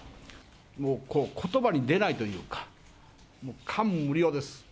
もうことばに出ないというか、もう感無量です。